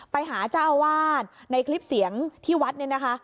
ไปหาเจ้าอาวาสในคลิปเสียงที่วัดเนี่ยนะคะ